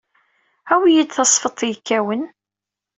Awey-iyi-d tasfeḍt yekkawen.